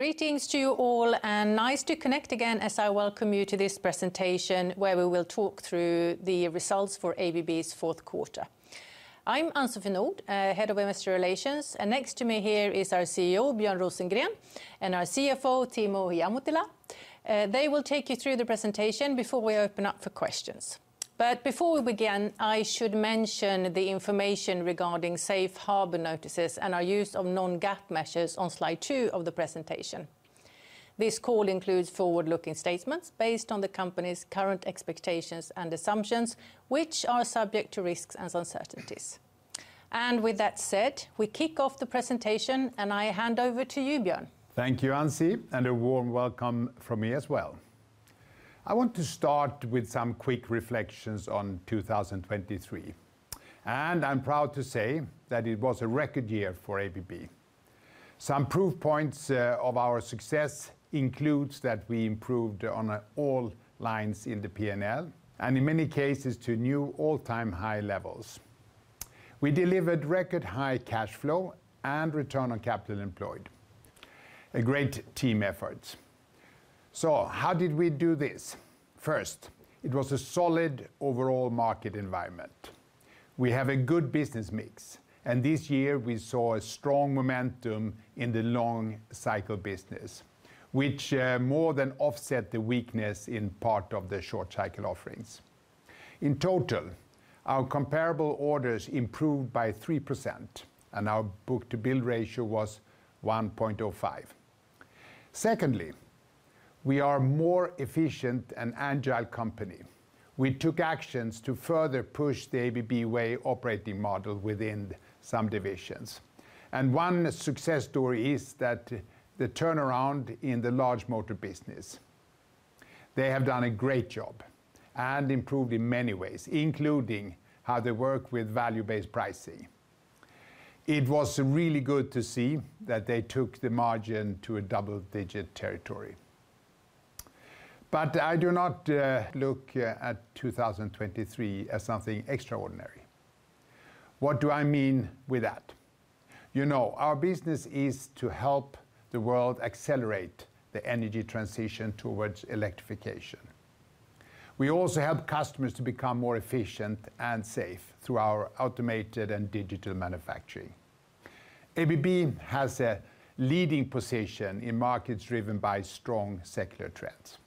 Greetings to you all, and nice to connect again as I welcome you to this presentation, where we will talk through the results for ABB's fourth quarter. I'm Ann-Sofie Nordh, Head of Investor Relations, and next to me here is our CEO, Björn Rosengren, and our CFO, Timo Ihamuotila. They will take you through the presentation before we open up for questions. But before we begin, I should mention the information regarding safe harbor notices and our use of non-GAAP measures on slide two of the presentation. This call includes forward-looking statements based on the company's current expectations and assumptions, which are subject to risks and uncertainties. And with that said, we kick off the presentation, and I hand over to you, Björn. Thank you, Ann-Sofie, and a warm welcome from me as well. I want to start with some quick reflections on 2023, and I'm proud to say that it was a record year for ABB. Some proof points of our success includes that we improved on all lines in the P&L, and in many cases, to new all-time high levels. We delivered record-high cash flow and return on capital employed, a great team effort. So how did we do this? First, it was a solid overall market environment. We have a good business mix, and this year we saw a strong momentum in the long cycle business, which more than offset the weakness in part of the short cycle offerings. In total, our comparable orders improved by 3%, and our book-to-bill ratio was 1.05. Secondly, we are a more efficient and agile company. We took actions to further push the ABB Way operating model within some divisions. One success story is that the turnaround in the large motor business. They have done a great job and improved in many ways, including how they work with value-based pricing. It was really good to see that they took the margin to a double-digit territory. But I do not, look, at 2023 as something extraordinary. What do I mean with that? You know, our business is to help the world accelerate the energy transition towards Electrification. We also help customers to become more efficient and safe through our automated and digital manufacturing. ABB has a leading position in markets driven by strong secular trends,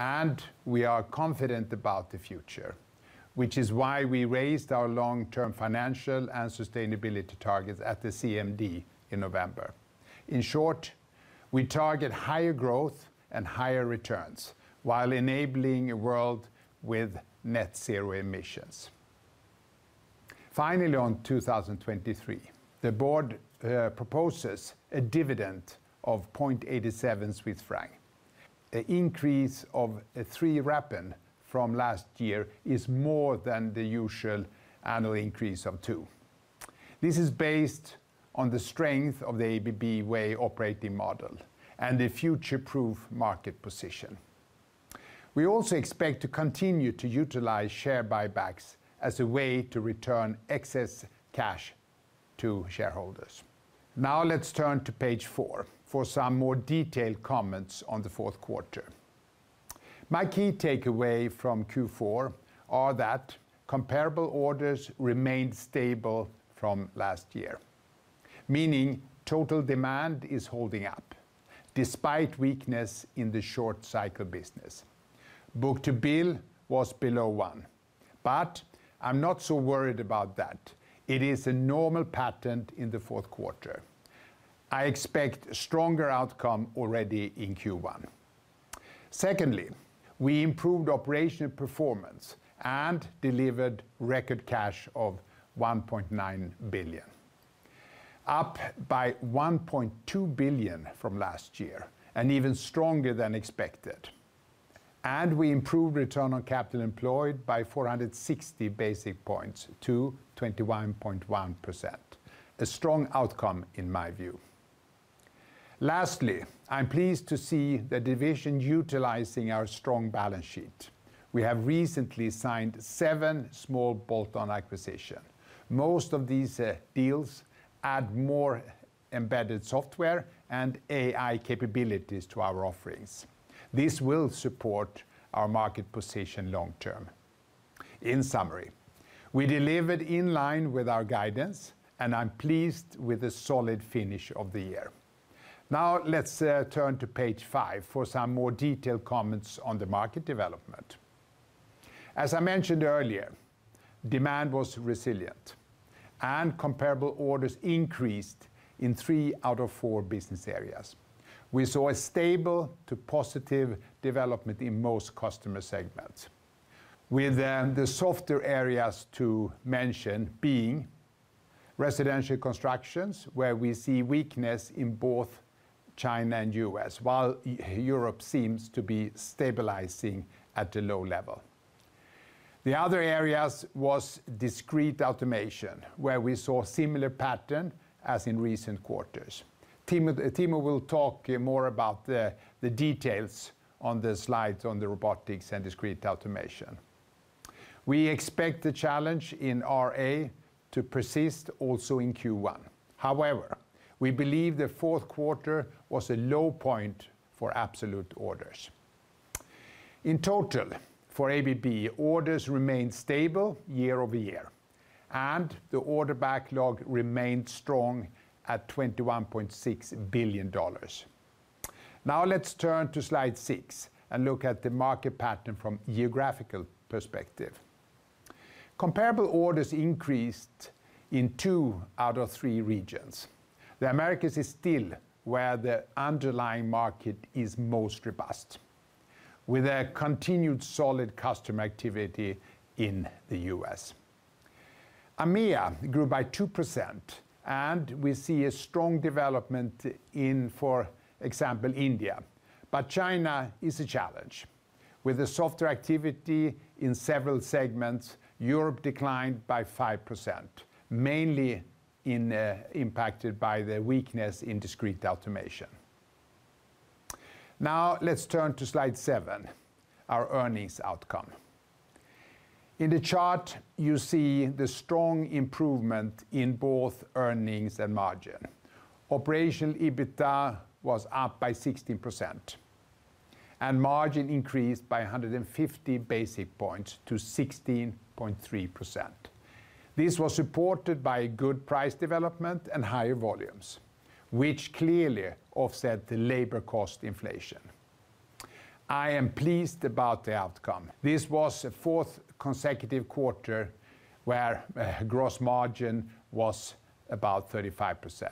and we are confident about the future, which is why we raised our long-term financial and sustainability targets at the CMD in November. In short, we target higher growth and higher returns while enabling a world with net zero emissions. Finally, on 2023, the board proposes a dividend of 0.87 Swiss franc. An increase of 0.03 from last year is more than the usual annual increase of 0.02. This is based on the strength of the ABB Way operating model and the future-proof market position. We also expect to continue to utilize share buybacks as a way to return excess cash to shareholders. Now let's turn to page four for some more detailed comments on the fourth quarter. My key takeaway from Q4 are that comparable orders remained stable from last year, meaning total demand is holding up despite weakness in the short cycle business. Book-to-bill was below one, but I'm not so worried about that. It is a normal pattern in the fourth quarter. I expect a stronger outcome already in Q1. Secondly, we improved operational performance and delivered record cash of $1.9 billion, up by $1.2 billion from last year, and even stronger than expected. We improved return on capital employed by 460 basis points to 21.1%, a strong outcome, in my view. Lastly, I'm pleased to see the division utilizing our strong balance sheet. We have recently signed seven small bolt-on acquisition. Most of these, deals add more embedded software and AI capabilities to our offerings. This will support our market position long term. In summary, we delivered in line with our guidance, and I'm pleased with the solid finish of the year. Now, let's turn to page five for some more detailed comments on the market development. As I mentioned earlier, demand was resilient, and comparable orders increased in three out of four business areas. We saw a stable to positive development in most customer segments, with the softer areas to mention being residential constructions, where we see weakness in both China and U.S., while Europe seems to be stabilizing at a low level. The other areas was Discrete Automation, where we saw a similar pattern as in recent quarters. Timo will talk more about the details on the slides on the Robotics and Discrete Automation. We expect the challenge in RA to persist also in Q1. However, we believe the fourth quarter was a low point for absolute orders. In total, for ABB, orders remained stable year-over-year, and the order backlog remained strong at $21.6 billion. Now let's turn to slide six and look at the market pattern from geographical perspective. Comparable orders increased in two out of three regions. The Americas is still where the underlying market is most robust, with a continued solid customer activity in the U.S. EMEA grew by 2%, and we see a strong development in, for example, India. But China is a challenge. With a softer activity in several segments, Europe declined by 5%, mainly in, impacted by the weakness in Discrete Automation. Now, let's turn to slide seven, our earnings outcome. In the chart, you see the strong improvement in both earnings and margin. Operational EBITA was up by 16%, and margin increased by 150 basis points to 16.3%. This was supported by good price development and higher volumes, which clearly offset the labor cost inflation. I am pleased about the outcome. This was a fourth consecutive quarter where, gross margin was about 35%,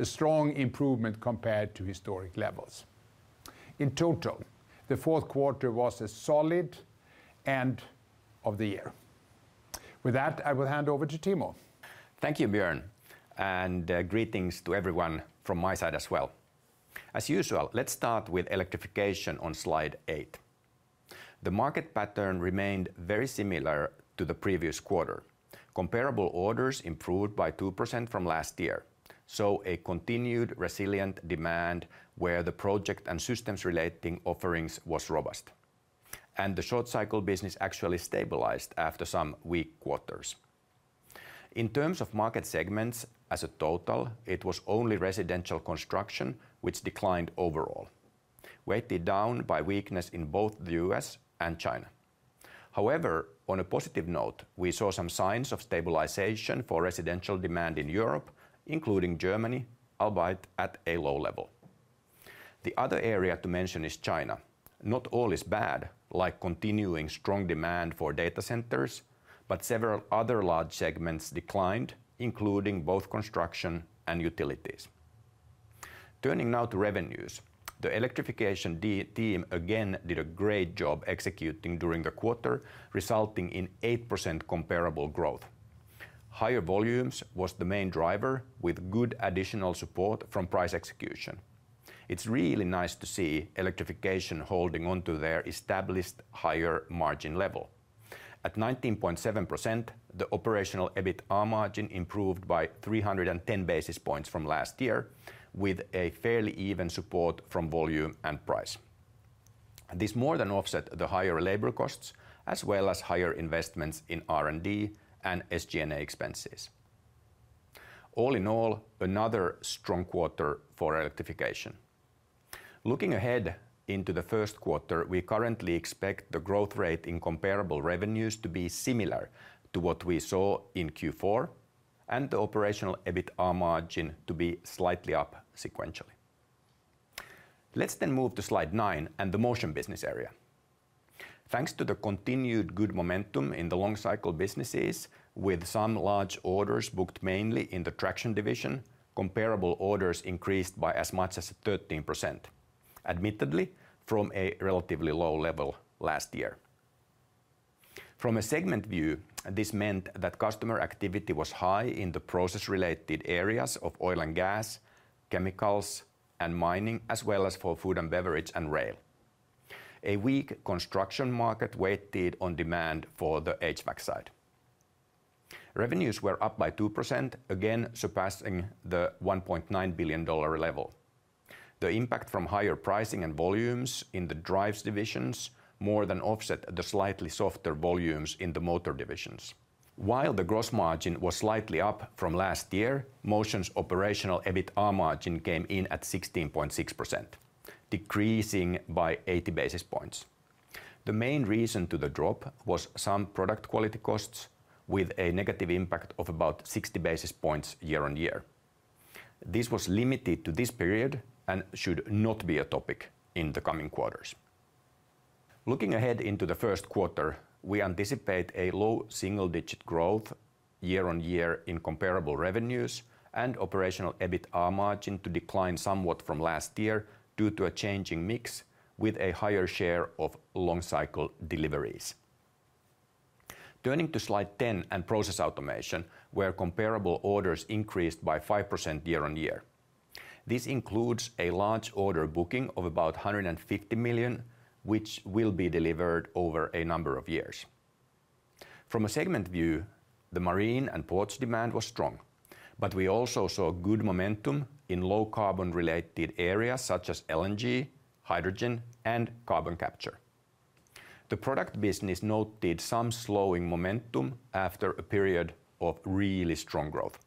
a strong improvement compared to historic levels. In total, the fourth quarter was a solid end of the year. With that, I will hand over to Timo. Thank you, Björn, and greetings to everyone from my side as well. As usual, let's start with Electrification on slide eight. The market pattern remained very similar to the previous quarter. Comparable orders improved by 2% from last year, so a continued resilient demand where the project and systems relating offerings was robust, and the short cycle business actually stabilized after some weak quarters. In terms of market segments as a total, it was only residential construction which declined overall, weighted down by weakness in both the U.S. and China. However, on a positive note, we saw some signs of stabilization for residential demand in Europe, including Germany, albeit at a low level. The other area to mention is China. Not all is bad, like continuing strong demand for data centers, but several other large segments declined, including both construction and utilities. Turning now to revenues, the Electrification team again did a great job executing during the quarter, resulting in 8% comparable growth. Higher volumes was the main driver, with good additional support from price execution. It's really nice to see Electrification holding onto their established higher margin level. At 19.7%, the operational EBITA margin improved by 310 basis points from last year, with a fairly even support from volume and price. This more than offset the higher labor costs, as well as higher investments in R&D and SG&A expenses. All in all, another strong quarter for Electrification. Looking ahead into the first quarter, we currently expect the growth rate in comparable revenues to be similar to what we saw in Q4, and the operational EBITA margin to be slightly up sequentially. Let's then move to slide nine and the Motion business area. Thanks to the continued good momentum in the long cycle businesses, with some large orders booked mainly in the Traction division, comparable orders increased by as much as 13%, admittedly from a relatively low level last year. From a segment view, this meant that customer activity was high in the process-related areas of oil and gas, chemicals, and mining, as well as for food and beverage and rail. A weak construction market weighed on demand for the HVAC side. Revenues were up by 2%, again surpassing the $1.9 billion level. The impact from higher pricing and volumes in the drives division more than offset the slightly softer volumes in the motor division. While the gross margin was slightly up from last year, Motion's operational EBITA margin came in at 16.6%, decreasing by 80 basis points. The main reason for the drop was some product quality costs with a negative impact of about 60 basis points year-on-year. This was limited to this period and should not be a topic in the coming quarters. Looking ahead into the first quarter, we anticipate a low double single-digit growth year-on-year in comparable revenues and operational EBITA margin to decline somewhat from last year due to a changing mix with a higher share of long-cycle deliveries. Turning to slide 10 and Process Automation, where comparable orders increased by 5% year-on-year. This includes a large order booking of about $150 million, which will be delivered over a number of years. From a segment view. The Marine & Ports demand was strong, but we also saw good momentum in low carbon-related areas such as LNG, hydrogen, and carbon capture. The product business noted some slowing momentum after a period of really strong growth.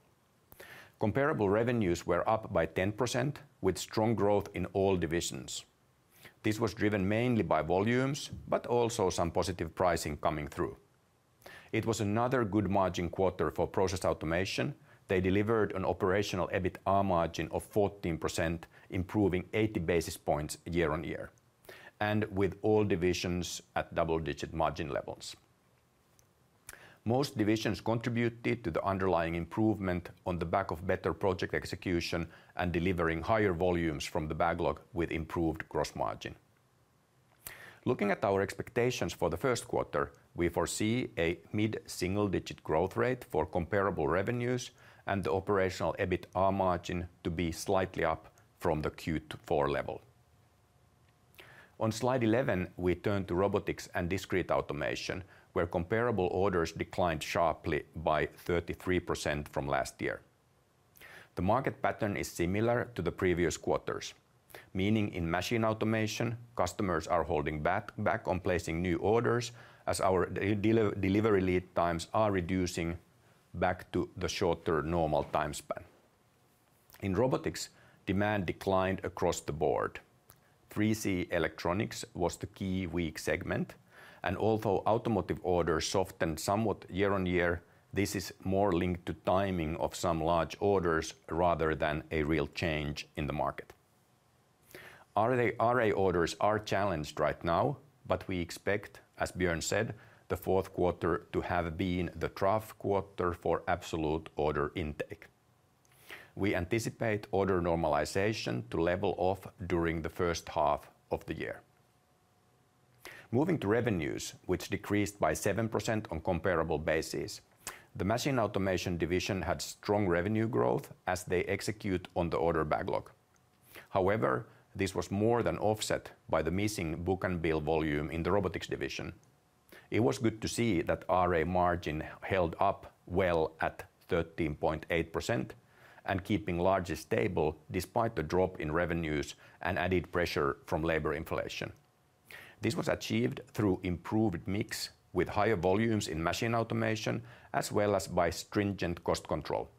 Comparable revenues were up by 10%, with strong growth in all divisions. This was driven mainly by volumes, but also some positive pricing coming through. It was another good margin quarter for Process Automation. They delivered an operational EBITA margin of 14%, improving 80 basis points year-on-year, and with all divisions at double-digit margin levels. Most divisions contributed to the underlying improvement on the back of better project execution and delivering higher volumes from the backlog with improved gross margin. Looking at our expectations for the first quarter, we foresee a mid-single-digit growth rate for comparable revenues and the operational EBITA margin to be slightly up from the Q4 level. On slide 11, we turn to Robotics and Discrete Automation, where comparable orders declined sharply by 33% from last year. The market pattern is similar to the previous quarters, meaning in Machine Automation, customers are holding back on placing new orders as our delivery lead times are reducing back to the shorter normal time span. In Robotics, demand declined across the board. 3C Electronics was the key weak segment, and although automotive orders softened somewhat year-on-year, this is more linked to timing of some large orders rather than a real change in the market. RA orders are challenged right now, but we expect, as Björn said, the fourth quarter to have been the trough quarter for absolute order intake. We anticipate order normalization to level off during the first half of the year. Moving to revenues, which decreased by 7% on comparable basis, the Machine Automation division had strong revenue growth as they execute on the order backlog. However, this was more than offset by the missing book-to-bill volume in the Robotics division. It was good to see that RA margin held up well at 13.8% and keeping it largely stable despite the drop in revenues and added pressure from labor inflation. This was achieved through improved mix with higher volumes in Machine Automation, as well as by stringent cost control.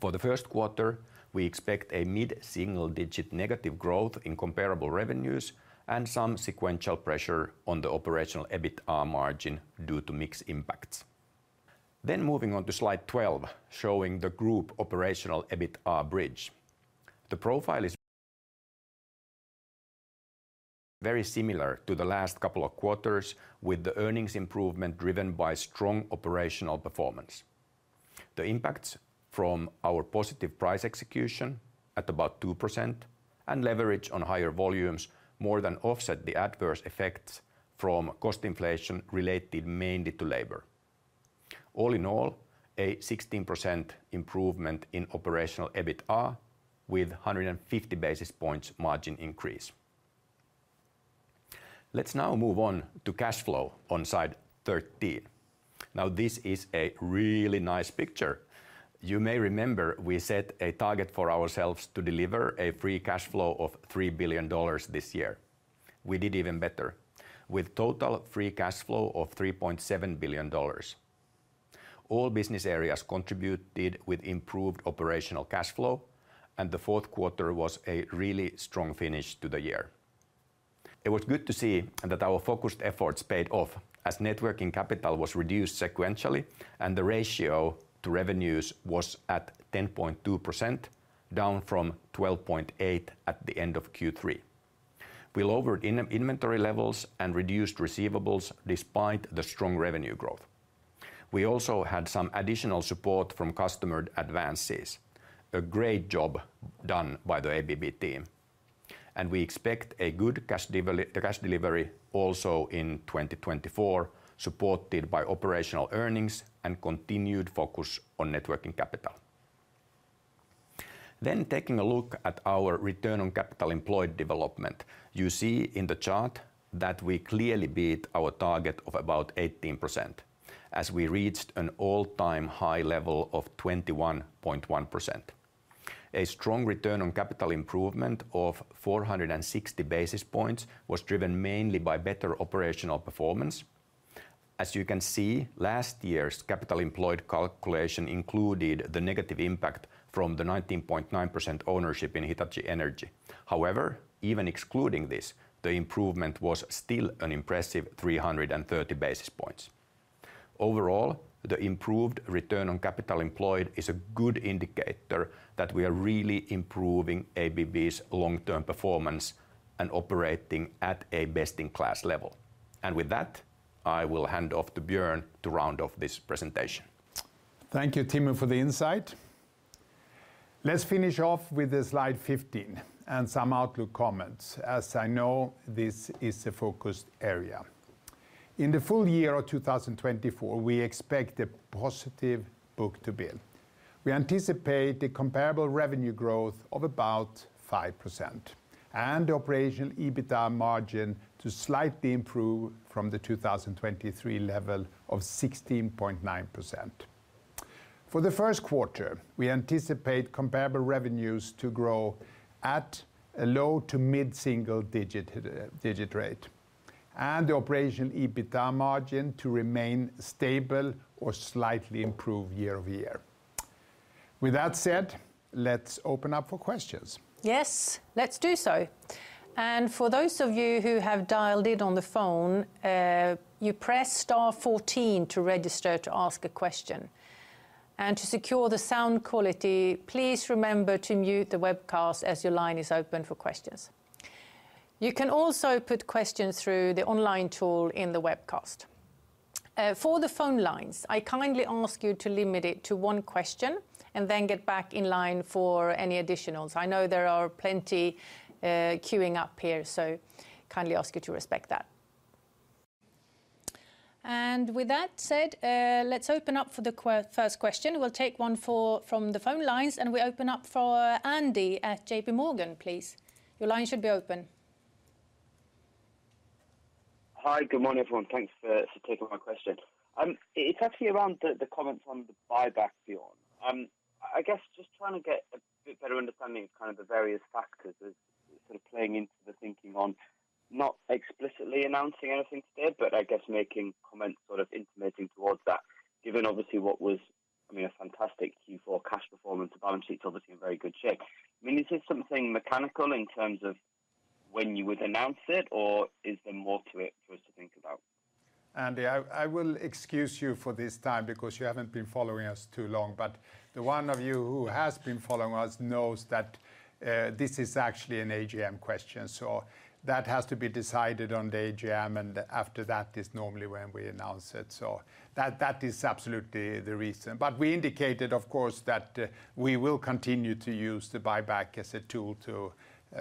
For the first quarter, we expect a mid-single-digit negative growth in comparable revenues and some sequential pressure on the operational EBITA margin due to mix impacts. Then moving on to slide 12, showing the group operational EBITA bridge. The profile is very similar to the last couple of quarters, with the earnings improvement driven by strong operational performance. The impacts from our positive price execution at about 2% and leverage on higher volumes more than offset the adverse effects from cost inflation related mainly to labor. All in all, a 16% improvement in operational EBITA with 150 basis points margin increase. Let's now move on to cash flow on slide 13. Now, this is a really nice picture. You may remember we set a target for ourselves to deliver a free cash flow of $3 billion this year. We did even better, with total free cash flow of $3.7 billion. All business areas contributed with improved operational cash flow, and the fourth quarter was a really strong finish to the year. It was good to see that our focused efforts paid off as net working capital was reduced sequentially, and the ratio to revenues was at 10.2%, down from 12.8 at the end of Q3. We lowered inventory levels and reduced receivables despite the strong revenue growth. We also had some additional support from customer advances, a great job done by the ABB team. And we expect a good cash delivery also in 2024, supported by operational earnings and continued focus on net working capital. Then taking a look at our return on capital employed development, you see in the chart that we clearly beat our target of about 18%, as we reached an all-time high level of 21.1%. A strong return on capital improvement of 460 basis points was driven mainly by better operational performance. As you can see, last year's capital employed calculation included the negative impact from the 19.9% ownership in Hitachi Energy. However, even excluding this, the improvement was still an impressive 330 basis points. Overall, the improved return on capital employed is a good indicator that we are really improving ABB's long-term performance and operating at a best-in-class level. And with that, I will hand off to Björn to round off this presentation. Thank you, Timo, for the insight. Let's finish off with slide 15 and some outlook comments, as I know this is a focused area. In the full year of 2024, we expect a positive book-to-bill. We anticipate the comparable revenue growth of about 5%, and operational EBITA margin to slightly improve from the 2023 level of 16.9%. For the first quarter, we anticipate comparable revenues to grow at a low to mid-single-digit rate, and the operational EBITA margin to remain stable or slightly improve year-over-year. With that said, let's open up for questions. Yes, let's do so. For those of you who have dialed in on the phone, you press star 14 to register to ask a question. To secure the sound quality, please remember to mute the webcast as your line is open for questions. You can also put questions through the online tool in the webcast. For the phone lines, I kindly ask you to limit it to one question and then get back in line for any additionals. I know there are plenty queuing up here, so kindly ask you to respect that. With that said, let's open up for the queue for the first question. We'll take one from the phone lines, and we open up for Andy at JPMorgan, please. Your line should be open. Hi, good morning, everyone. Thanks for taking my question. It's actually around the comments on the buyback, Björn. I guess just trying to get a bit better understanding of kind of the various factors as sort of playing into the thinking on not explicitly announcing anything today, but I guess making comments sort of intimating towards that, given obviously what was, I mean, a fantastic Q4 cash performance. The balance sheet's obviously in very good shape. I mean, is this something mechanical in terms of when you would announce it, or is there more to it for us to think about? Andy, I will excuse you for this time because you haven't been following us too long. But the one of you who has been following us knows that this is actually an AGM question, so that has to be decided on the AGM, and after that is normally when we announce it. So that is absolutely the reason. But we indicated, of course, that we will continue to use the buyback as a tool to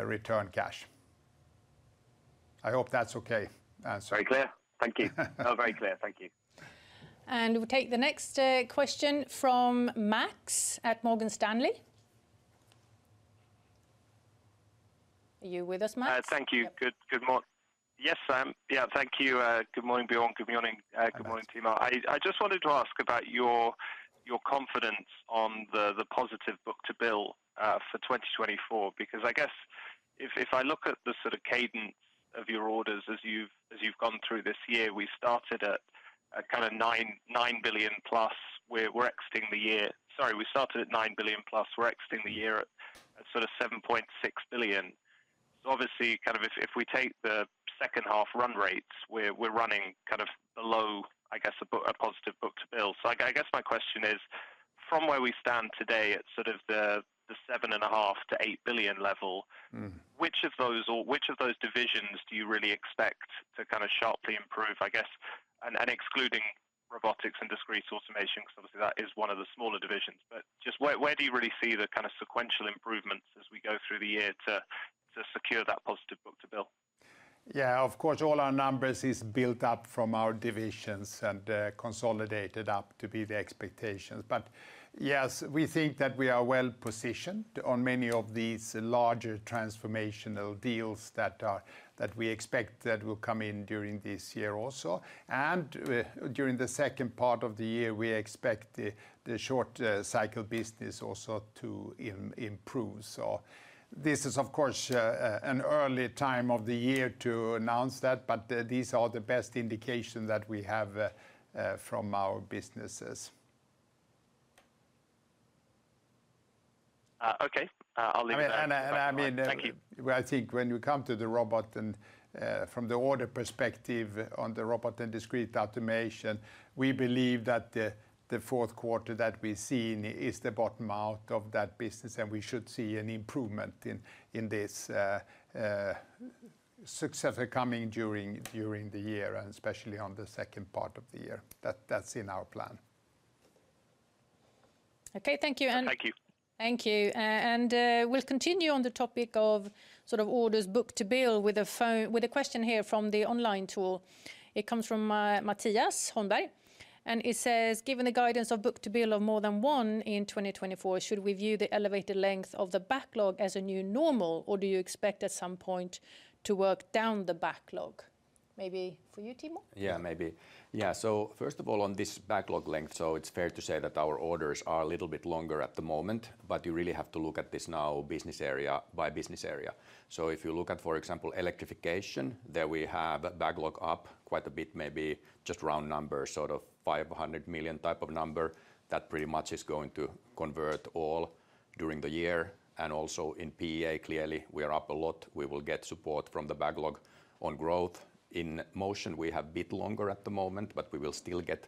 return cash. I hope that's okay answer. Very clear. Thank you. Very clear. Thank you. We'll take the next question from Max at Morgan Stanley. Are you with us, Max? Thank you. Good morning, Björn. Good morning, Timo. I just wanted to ask about your confidence on the positive book-to-bill for 2024, because I guess if I look at the sort of cadence of your orders as you've gone through this year, we started at a kind of $9+ billion. We're exiting the year. Sorry, we started at $9+ billion. We're exiting the year at sort of $7.6 billion. So obviously, kind of if we take the second half run rates, we're running kind of below, I guess, a book-to-bill. So I guess my question is, from where we stand today at sort of the $7.5 billion-$8 billion level which of those divisions do you really expect to kind of sharply improve, I guess, and excluding Robotics and Discrete Automation, because obviously, that is one of the smaller divisions. But just where do you really see the kind of sequential improvements as we go through the year to secure that positive book-to-bill? Yeah, of course, all our numbers is built up from our divisions and consolidated up to be the expectations. But yes, we think that we are well positioned on many of these larger transformational deals that we expect that will come in during this year also. And during the second part of the year, we expect the short cycle business also to improve. So this is, of course, an early time of the year to announce that, but these are the best indication that we have from our businesses. Okay. I'll leave it there. I mean. Thank you. Well, I think when you come to the robot and from the order perspective on the Robotics and Discrete Automation, we believe that the fourth quarter that we've seen is the bottom out of that business, and we should see an improvement in this success coming during the year, and especially on the second part of the year. That's in our plan. Okay, thank you. Thank you. Thank you. And we'll continue on the topic of sort of orders book-to-bill with a question here from the online tool. It comes from Matthias Holmberg, and it says: "Given the guidance of book-to-bill of more than one in 2024, should we view the elevated length of the backlog as a new normal, or do you expect at some point to work down the backlog?" Maybe for you, Timo? Yeah, maybe. Yeah, so first of all, on this backlog length, so it's fair to say that our orders are a little bit longer at the moment, but you really have to look at this now business area by business area. So if you look at, for example, Electrification, there we have backlog up quite a bit, maybe just round numbers, sort of $500 million type of number. That pretty much is going to convert all during the year, and also in PA, clearly, we are up a lot. We will get support from the backlog on growth. In Motion, we have a bit longer at the moment, but we will still get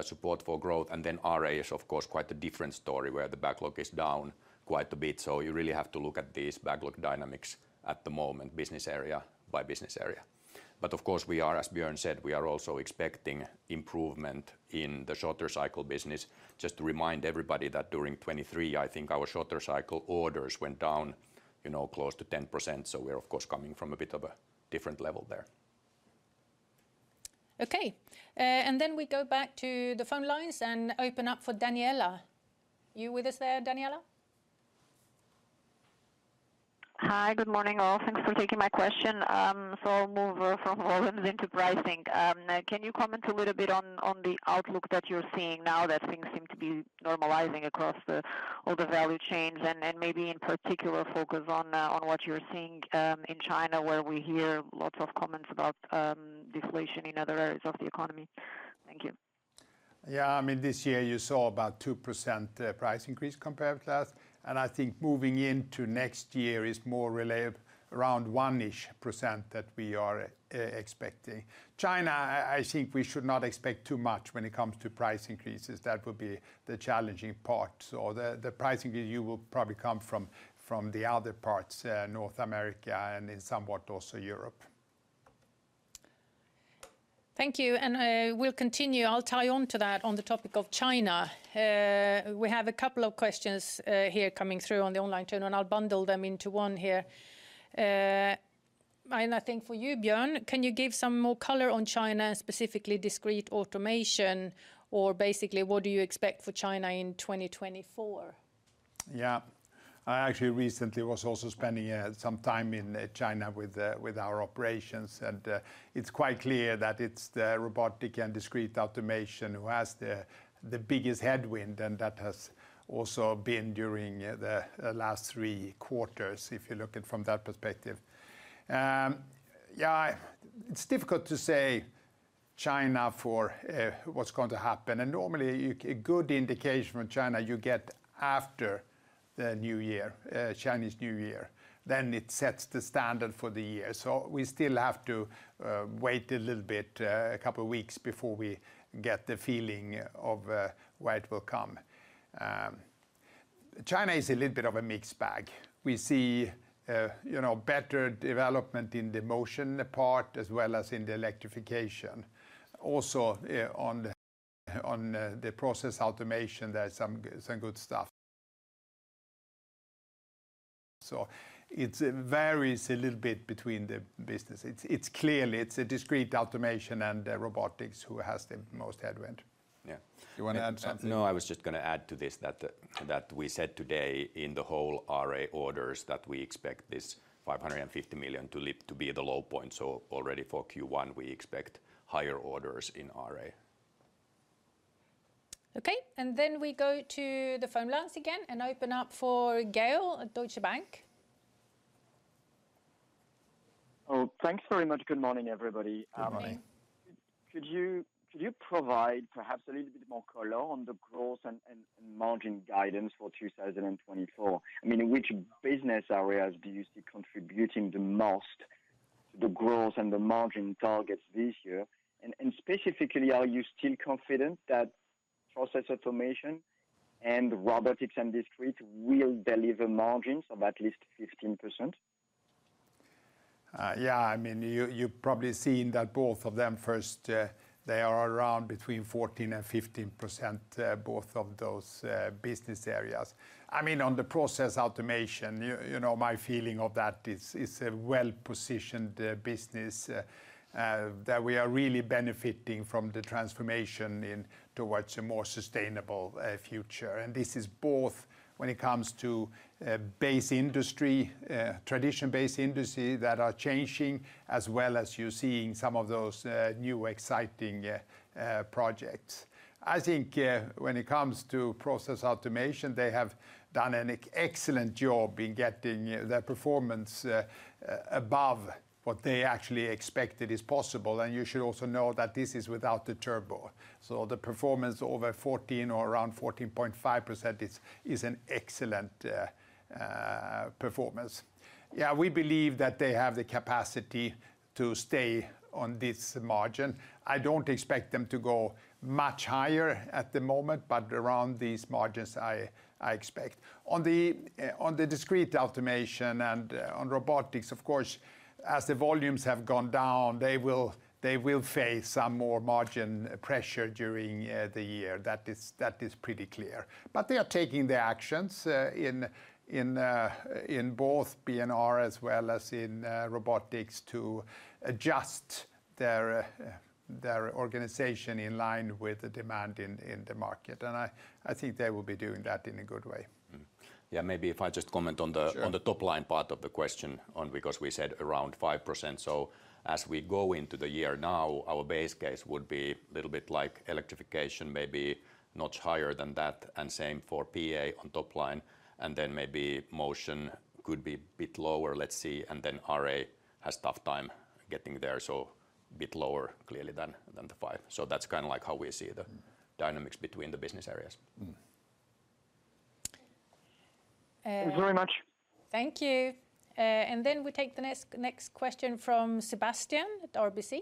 support for growth. And then RA is, of course, quite a different story, where the backlog is down quite a bit. So you really have to look at these backlog dynamics at the moment, business area by business area. But of course, we are, as Björn said, we are also expecting improvement in the shorter cycle business. Just to remind everybody that during 2023, I think our shorter cycle orders went down, you know, close to 10%, so we're of course, coming from a bit of a different level there. Okay, and then we go back to the phone lines and open up for Daniela. You with us there, Daniela? Hi, good morning, all. Thanks for taking my question. I'll move from volumes into pricing. Can you comment a little bit on the outlook that you're seeing now that things seem to be normalizing across all the value chains? Maybe in particular, focus on what you're seeing in China, where we hear lots of comments about deflation in other areas of the economy. Thank you. Yeah, I mean, this year you saw about 2% price increase compared to last, and I think moving into next year is more really around 1%-ish that we are expecting. China, I think we should not expect too much when it comes to price increases. That would be the challenging part. So the pricing you will probably come from the other parts, North America and in somewhat also Europe. Thank you, and we'll continue. I'll tie on to that on the topic of China. We have a couple of questions here coming through on the online channel, and I'll bundle them into one here. And I think for you, Björn, can you give some more color on China, and specifically Discrete Automation, or basically, what do you expect for China in 2024? Yeah. I actually recently was also spending some time in China with our operations, and it's quite clear that it's the Robotics and Discrete Automation who has the biggest headwind, and that has also been during the last three quarters, if you look at from that perspective. Yeah, it's difficult to say China for what's going to happen, and normally, a good indication from China, you get after the New Year, Chinese New Year, then it sets the standard for the year. So we still have to wait a little bit, a couple of weeks before we get the feeling of where it will come. China is a little bit of a mixed bag. We see, you know, better development in the motion part as well as in the Electrification. Also, on the Process Automation, there's some good stuff. So it varies a little bit between the business. It's clearly Discrete Automation and Robotics who has the most headwind. Yeah. You want to add something? No, I was just going to add to this, that we said today in the whole RA orders, that we expect this $550 million to be at the low point. So already for Q1, we expect higher orders in RA. Okay, and then we go to the phone lines again and open up for Gaël at Deutsche Bank. Oh, thanks very much. Good morning, everybody. Good morning. Could you provide perhaps a little bit more color on the growth and margin guidance for 2024? I mean, which business areas do you see contributing the most, the growth and the margin targets this year? And specifically, are you still confident that Process Automation and Robotics and Discrete will deliver margins of at least 15%? Yeah, I mean, you've probably seen that both of them, first, they are around between 14%-15%, both of those business areas. I mean, on the Process Automation, you know, my feeling of that is a well-positioned business that we are really benefiting from the transformation in towards a more sustainable future. And this is both when it comes to base industry, traditional base industry that are changing, as well as you're seeing some of those new, exciting projects. I think, when it comes to Process Automation, they have done an excellent job in getting their performance above what they actually expected is possible, and you should also know that this is without the turbo. So the performance over 14% or around 14.5% is an excellent performance. Yeah, we believe that they have the capacity to stay on this margin. I don't expect them to go much higher at the moment, but around these margins, I expect. On the Discrete Automation and on Robotics, of course, as the volumes have gone down, they will face some more margin pressure during the year. That is pretty clear. But they are taking the actions in both B&R as well as in Robotics to adjust their organization in line with the demand in the market, and I think they will be doing that in a good way. MYeah, maybe if I just comment on the on the top-line part of the question on, because we said around 5%. So as we go into the year now, our base case would be a little bit like Electrification, maybe notch higher than that, and same for PA on top line, and then maybe Motion could be a bit lower. Let's see, and then RA has tough time getting there, so a bit lower, clearly, than the five. So that's kind of like how we see the dynamics between the business areas. Thanks very much. Thank you. And then we take the next question from Sebastian at RBC.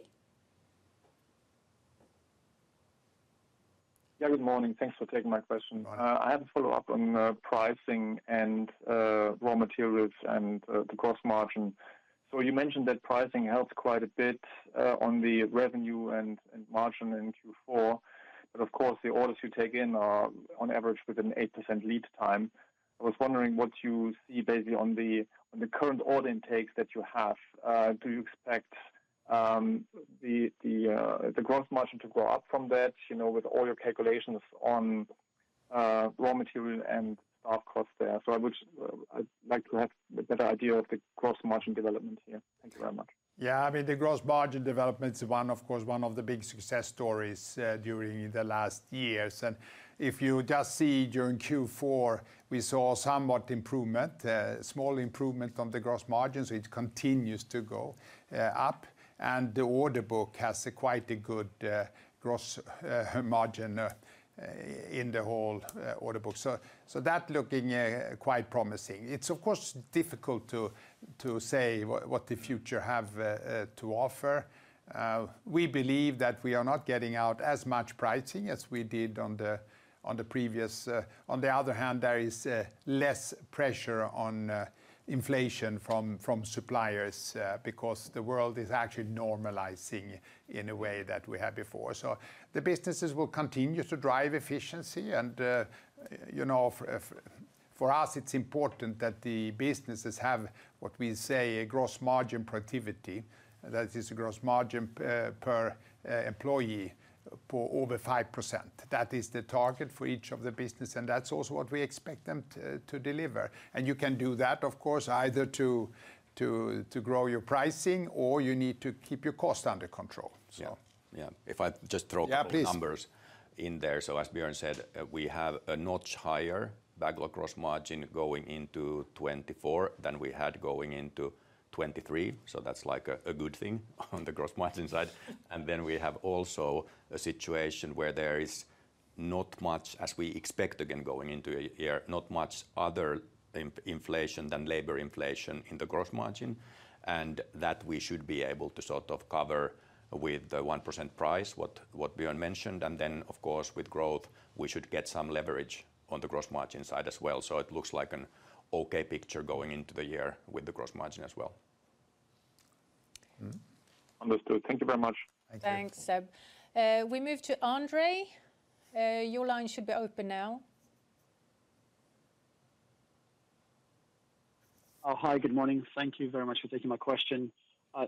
Yeah, good morning. Thanks for taking my question. Hi. I have a follow-up on pricing and raw materials and the gross margin. So you mentioned that pricing helped quite a bit on the revenue and margin in Q4, but of course, the orders you take in are on average with an 8% lead time. I was wondering what you see basically on the current order intakes that you have. Do you expect the growth margin to go up from that, you know, with all your calculations on raw material and staff costs there? So I would, I'd like to have a better idea of the gross margin development here. Thank you very much. Yeah, I mean, the gross margin development is one, of course, one of the big success stories during the last years. And if you just see during Q4, we saw somewhat improvement, small improvement on the gross margins. It continues to go up, and the order book has quite a good gross margin in the whole order book. So that looking quite promising. It's of course difficult to say what the future have to offer. We believe that we are not getting out as much pricing as we did on the previous. On the other hand, there is less pressure on inflation from suppliers, because the world is actually normalizing in a way that we had before. So the businesses will continue to drive efficiency, and, you know, for us, it's important that the businesses have what we say, a gross margin productivity. That is a gross margin per employee for over 5%. That is the target for each of the business, and that's also what we expect them to deliver. And you can do that, of course, either to grow your pricing or you need to keep your costs under control. Yeah. Yeah. If I just throw numbers in there. Yeah, please. So as Björn said, we have a notch higher backlog gross margin going into 2024 than we had going into 2023, so that's like a good thing on the gross margin side. And then we have also a situation where there is not much as we expect, again, going into a year, not much other inflation than labor inflation in the gross margin, and that we should be able to sort of cover with the 1% price what Björn mentioned. And then, of course, with growth, we should get some leverage on the gross margin side as well. So it looks like an okay picture going into the year with the gross margin as well. Understood. Thank you very much. Thank you. Thanks, Seb. We move to Andre. Your line should be open now. Oh, hi, good morning. Thank you very much for taking my question.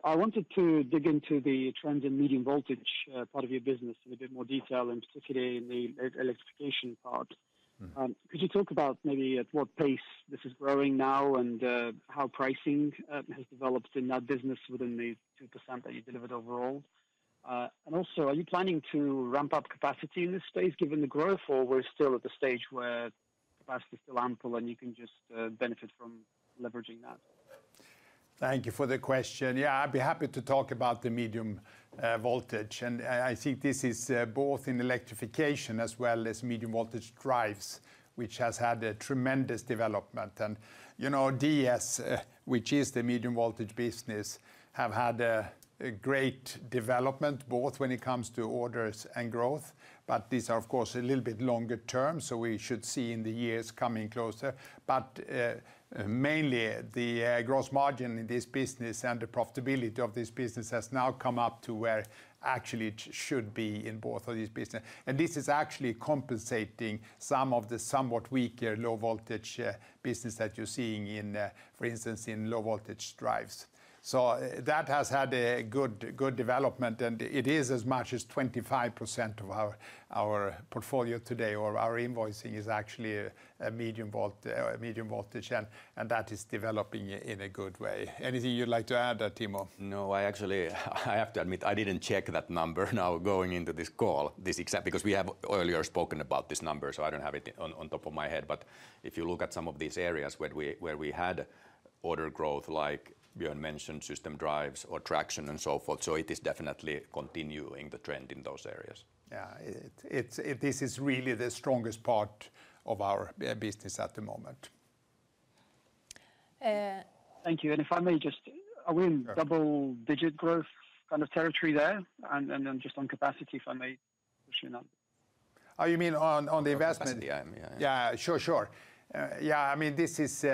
I wanted to dig into the trends in medium voltage part of your business in a bit more detail, and particularly in the Electrification part. Could you talk about maybe at what pace this is growing now, and how pricing has developed in that business within the 2% that you delivered overall? And also, are you planning to ramp up capacity in this space, given the growth, or we're still at the stage where capacity is still ample, and you can just benefit from leveraging that? Thank you for the question. Yeah, I'd be happy to talk about the medium voltage, and I think this is both in Electrification as well as medium voltage drives, which has had a tremendous development. And, you know, DS, which is the medium voltage business, have had a great development, both when it comes to orders and growth, but these are, of course, a little bit longer term, so we should see in the years coming closer. But mainly, the gross margin in this business and the profitability of this business has now come up to where actually it should be in both of these business. And this is actually compensating some of the somewhat weaker low voltage business that you're seeing in, for instance, in low voltage drives. So that has had a good, good development, and it is as much as 25% of our, our portfolio today, or our invoicing is actually a medium voltage, and, and that is developing in a good way. Anything you'd like to add there, Timo? No, I actually have to admit, I didn't check that number now, going into this call, this exact. Because we have earlier spoken about this number, so I don't have it on top of my head. But if you look at some of these areas where we had order growth, like Björn mentioned, System Drives or Traction and so forth, so it is definitely continuing the trend in those areas. Yeah. It, it's this is really the strongest part of our business at the moment. Thank you. And if I may just. Are we in double-digit growth kind of territory there? And then just on capacity, if I may push you on. Oh, you mean on the investment? On capacity, I am, yeah. Yeah, sure, sure. Yeah, I mean, this is.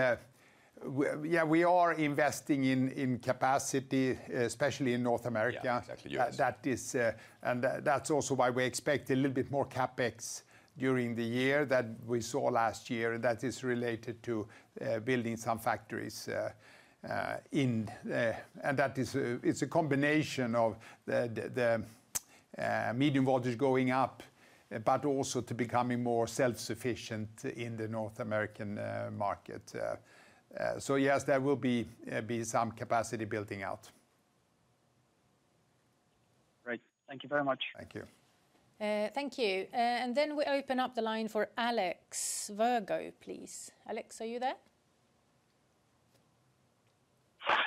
Yeah, we are investing in, in capacity, especially in North America. Yeah, exactly. That is, and that, that's also why we expect a little bit more CapEx during the year than we saw last year, and that is related to building some factories in. And that is, it's a combination of the medium voltage going up, but also to becoming more self-sufficient in the North American market. So yes, there will be some capacity building out. Great. Thank you very much. Thank you. Thank you. Then we open up the line for Alex Virgo, please. Alex, are you there?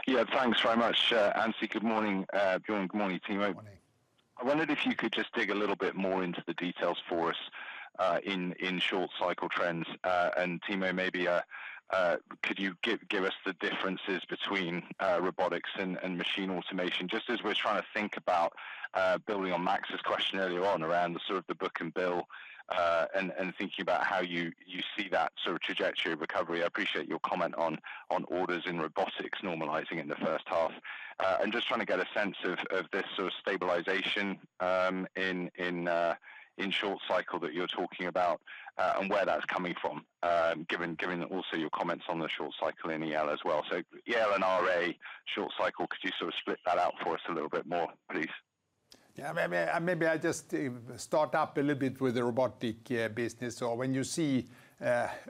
Yeah, thanks very much. Ann-Sofie, good morning. Björn, good morning, Timo. Good morning. I wondered if you could just dig a little bit more into the details for us in short cycle trends. Timo, maybe could you give us the differences between Robotics and Machine Automation? Just as we're trying to think about building on Max's question earlier on around the sort of the book-to-bill, and thinking about how you see that sort of trajectory of recovery. I appreciate your comment on orders in Robotics normalizing in the first half. Just trying to get a sense of this sort of stabilization in short cycle that you're talking about, and where that's coming from, given also your comments on the short cycle in EL as well. EL and RA short cycle, could you sort of split that out for us a little bit more, please? Yeah, maybe, maybe I just start up a little bit with the Robotics business. So when you see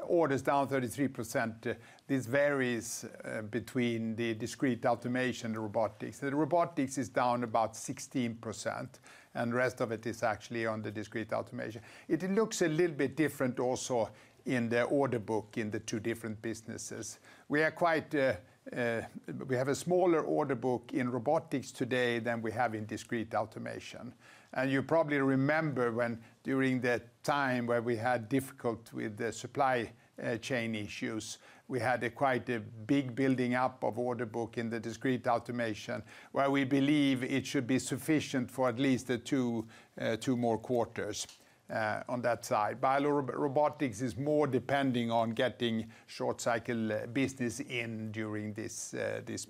orders down 33%, this varies between the Discrete Automation and Robotics. The Robotics is down about 16%, and the rest of it is actually on the Discrete Automation. It looks a little bit different also in the order book in the two different businesses. We are quite. We have a smaller order book in Robotics today than we have in Discrete Automation, and you probably remember when during the time where we had difficulties with the supply chain issues, we had quite a big building up of order book in the Discrete Automation, where we believe it should be sufficient for at least two more quarters on that side. But Robotics is more depending on getting short cycle business in during this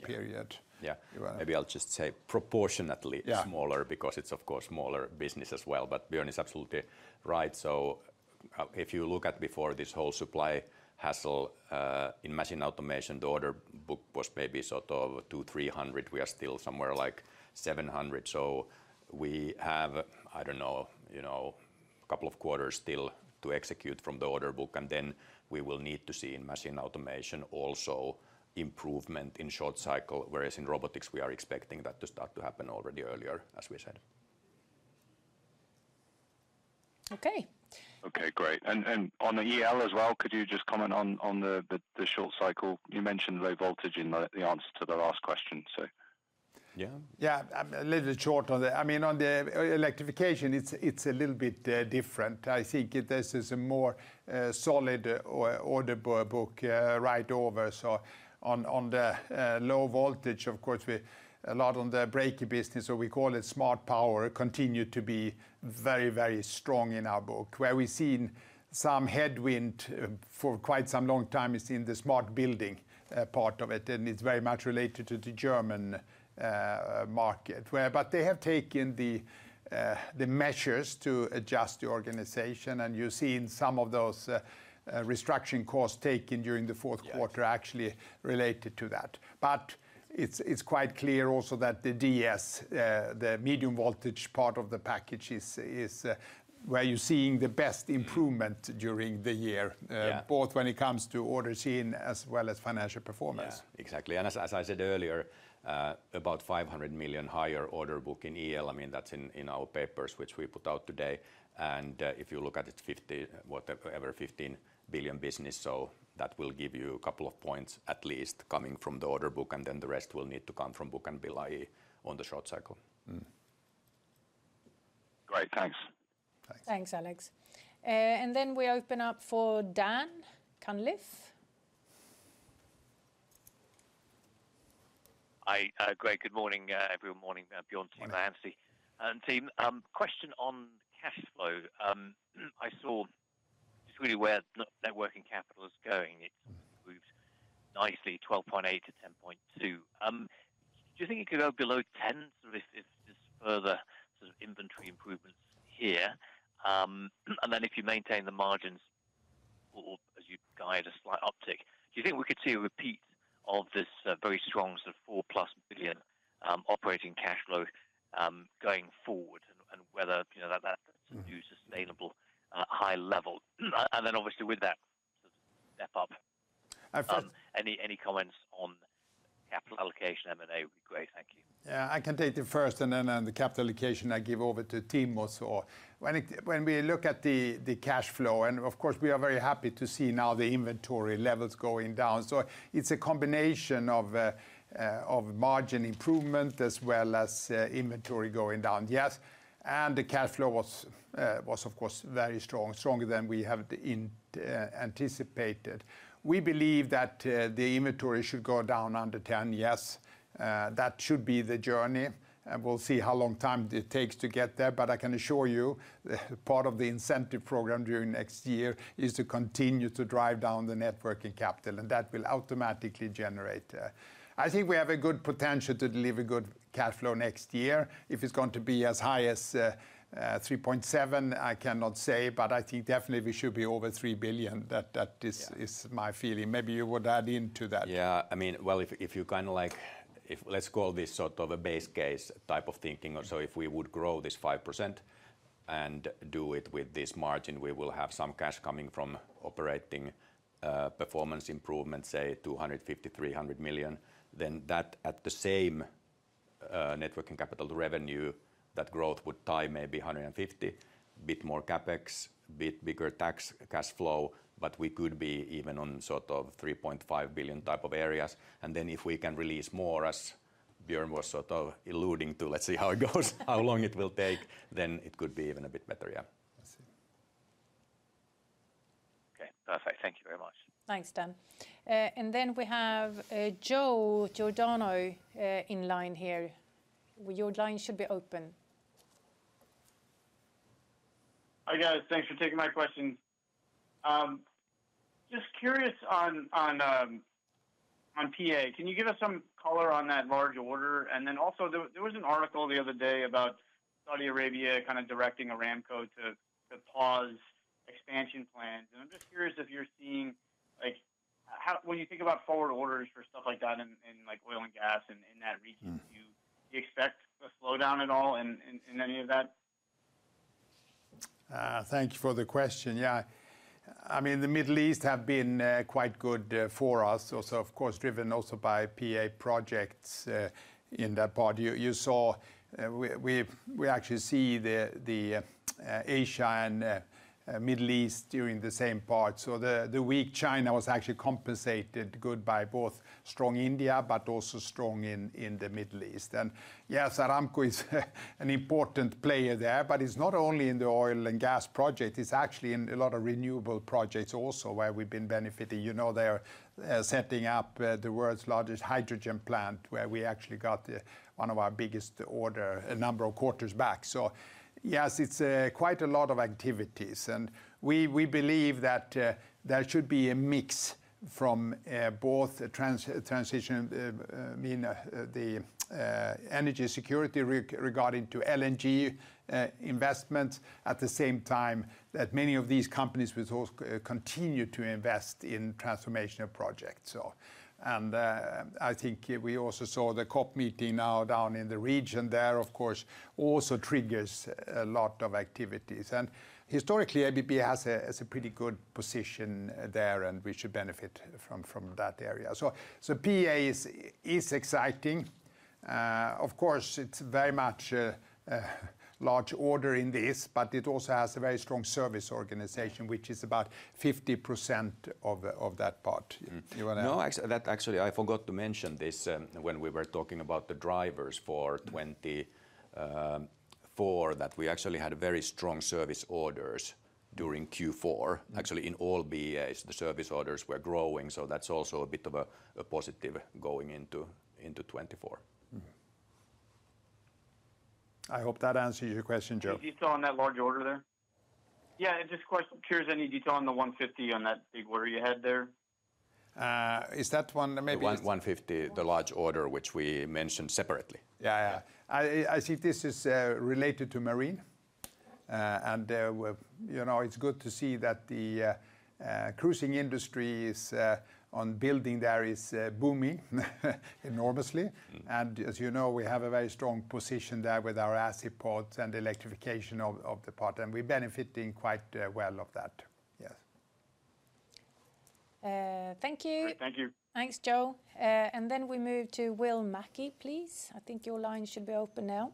period. Yeah. You are. Maybe I'll just say proportionately smaller because it's of course smaller business as well. But Björn is absolutely right. So if you look at before this whole supply hassle in Machine Automation, the order book was maybe sort of 200-300. We are still somewhere like 700, so we have, I don't know, you know, a couple of quarters still to execute from the order book, and then we will need to see in Machine Automation also improvement in short cycle, whereas in Robotics, we are expecting that to start to happen already earlier, as we said. Okay. Okay, great. And on the EL as well, could you just comment on the short cycle? You mentioned low voltage in the answer to the last question, so. Yeah. Yeah. A little short on the, I mean, on the Electrification, it's a little bit different. I think this is a more solid order book right over. So on the low voltage, of course, we have a lot on the breaker business, so we call it Smart Power, continued to be very, very strong in our book. Where we've seen some headwind for quite some long time is in the Smart Building part of it, and it's very much related to the German market. But they have taken the measures to adjust the organization, and you're seeing some of those restructuring costs taken during the fourth quarter actually related to that. But it's quite clear also that the DS, the medium voltage part of the package is where you're seeing the best improvement during the year. Yeah. Both when it comes to orders in as well as financial performance. Yeah. Exactly, and as, as I said earlier, about $500 million higher order book in EL. I mean, that's in, in our papers, which we put out today, and, if you look at it, 50, whatever, 15 billion business, so that will give you a couple of points, at least coming from the order book, and then the rest will need to come from book-to-bill in the short cycle. Great, thanks. Thanks. Thanks, Alex. And then we open up for Dan Cunliffe. Hi. Great. Good morning, everyone. Morning, Björn, Timo, and team. Timo, question on cash flow. I saw just really where net working capital is going. It's improved nicely, 12.8%-10.2%. Do you think it could go below ten, sort of if there's further sort of inventory improvements here, and then if you maintain the margins or as you guide a slight uptick, do you think we could see a repeat of this, very strong sort of $4+ billion, operating cash flow, going forward? And whether, you know, that, that new sustainable, high level. And then obviously with that sort of step up. Any, any comments on capital allocation, M&A, would be great. Thank you. Yeah, I can take the first, and then on the capital allocation, I give over to Timo. So when we look at the cash flow, and of course, we are very happy to see now the inventory levels going down. So it's a combination of margin improvement as well as inventory going down. Yes, and the cash flow was of course very strong, stronger than we have anticipated. We believe that the inventory should go down under 10, yes. That should be the journey, and we'll see how long time it takes to get there, but I can assure you, part of the incentive program during next year is to continue to drive down the net working capital, and that will automatically generate. I think we have a good potential to deliver good cash flow next year. If it's going to be as high as $3.7 billion, I cannot say, but I think definitely we should be over $3 billion. That, that is my feeling. Maybe you would add into that. Yeah. I mean, well, if you kind of like - if we call this sort of a base case type of thinking, or so if we would grow this 5% and do it with this margin, we will have some cash coming from operating performance improvement, say $250 million-$300 million, then that at the same net working capital revenue, that growth would tie maybe $150 million, bit more CapEx, bit bigger tax cash flow, but we could be even on sort of $3.5 billion type of areas. And then if we can release more, as Björn was sort of alluding to, let's see how it goes, how long it will take, then it could be even a bit better, yeah. Thanks, Dan. And then we have Joe Giordano in line here. Your line should be open. Hi, guys. Thanks for taking my question. Just curious on PA, can you give us some color on that large order? And then also, there was an article the other day about Saudi Arabia kind of directing Aramco to pause expansion plans, and I'm just curious if you're seeing, like, how, when you think about forward orders for stuff like that in, like, oil and gas and in that region. Do you expect a slowdown at all in any of that? Thank you for the question. Yeah, I mean, the Middle East have been quite good for us. Also, of course, driven also by PA projects in that part. You saw we actually see the Asia and Middle East during the same part. So the weak China was actually compensated good by both strong India, but also strong in the Middle East. And yes, Aramco is an important player there, but it's not only in the oil and gas project, it's actually in a lot of renewable projects also, where we've been benefiting. You know, they're setting up the world's largest hydrogen plant, where we actually got one of our biggest order a number of quarters back. So yes, it's quite a lot of activities, and we believe that there should be a mix from both a transition, I mean the energy security regarding to LNG investment. At the same time, that many of these companies will also continue to invest in transformational projects, so. And I think we also saw the COP meeting now down in the region there, of course, also triggers a lot of activities. And historically, ABB has a pretty good position there, and we should benefit from that area. So PA is exciting. Of course, it's very much a large order in this, but it also has a very strong service organization, which is about 50% of that part. You want to? No, actually, that actually I forgot to mention this, when we were talking about the drivers for 2024, that we actually had a very strong service orders during Q4. Actually, in all BAs, the service orders were growing, so that's also a bit of a positive going into 2024. I hope that answers your question, Joe. Any detail on that large order there? Yeah, just curious, any detail on the 150 on that big order you had there? Is that one maybe. The $150, the large order, which we mentioned separately. Yeah, yeah. I think this is related to marine. And you know, it's good to see that the cruising industry is on building there is booming enormously. Mm. As you know, we have a very strong position there with our Azipod and Electrification of, of the part, and we're benefiting quite well of that. Yes. Thank you. Great, thank you. Thanks, Joe. And then we move to Will Mackie, please. I think your line should be open now.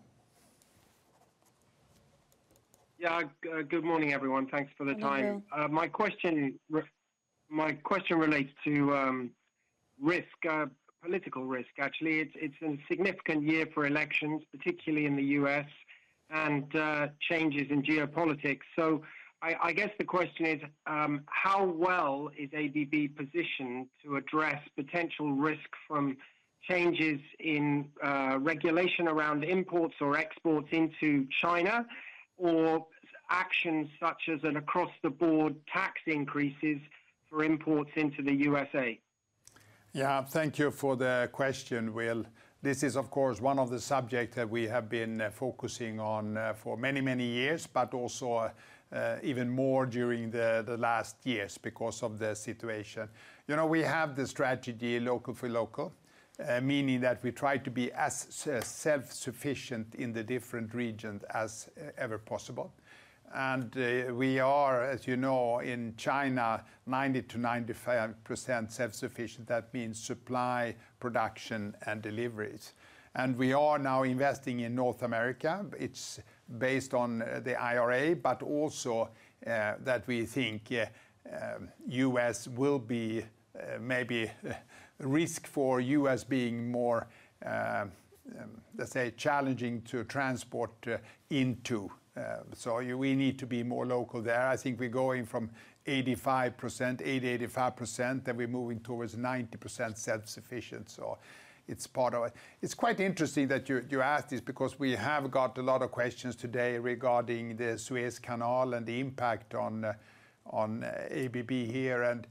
Yeah. Good morning, everyone. Thanks for the time. Good morning. My question relates to risk, political risk. Actually, it's a significant year for elections, particularly in the U.S., and changes in geopolitics. So I guess the question is, how well is ABB positioned to address potential risk from changes in regulation around imports or exports into China, or actions such as an across-the-board tax increases for imports into the USA? Yeah, thank you for the question, Will. This is, of course, one of the subjects that we have been focusing on for many, many years, but also even more during the last years because of the situation. You know, we have the strategy local for local, meaning that we try to be as self-sufficient in the different regions as ever possible. And we are, as you know, in China, 90%-95% self-sufficient. That means supply, production, and deliveries. And we are now investing in North America. It's based on the IRA, but also that we think U.S. will be maybe a risk for U.S. being more, let's say, challenging to transport into, so we need to be more local there. I think we're going from 85%, 80%-85%, then we're moving towards 90% self-sufficient. So it's part of it. It's quite interesting that you asked this because we have got a lot of questions today regarding the Suez Canal and the impact on ABB here. And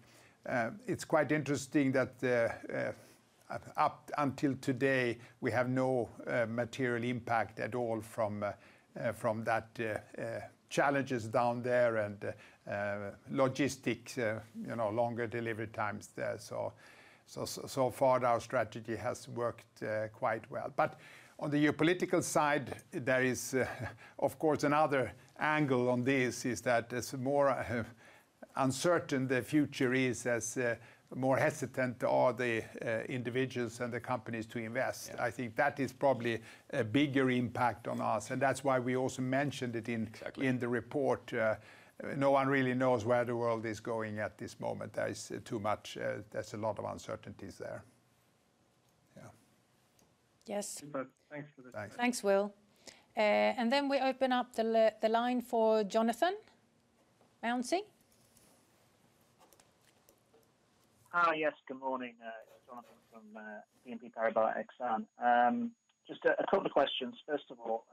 it's quite interesting that up until today, we have no material impact at all from that challenges down there and logistics, you know, longer delivery times there. So far, our strategy has worked quite well. But on the geopolitical side, there is, of course, another angle on this, is that as more uncertain the future is, as more hesitant are the individuals and the companies to invest. Yeah. I think that is probably a bigger impact on us, and that's why we also mentioned it in. Exactly In the report. No one really knows where the world is going at this moment. There is too much. There's a lot of uncertainties there. Yes. Thanks. Thanks, Will. And then we open up the line for Jonathan Mounsey. Hi. Yes, good morning, Jonathan from BNP Paribas Exane. Just a couple of questions. First of all,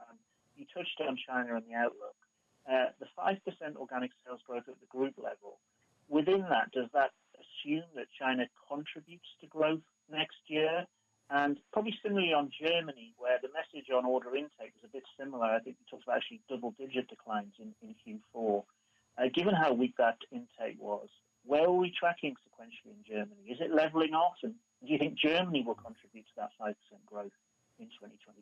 you touched on China and the outlook. The 5% organic sales growth at the group level, within that, does that assume that China contributes to growth next year? And probably similarly on Germany, where the message on order intake was a bit similar, I think you talked about actually double-digit declines in Q4. Given how weak that intake was, where are we tracking sequentially in Germany? Is it leveling off, and do you think Germany will contribute to that 5% growth in 2024?